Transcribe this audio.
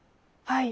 はい。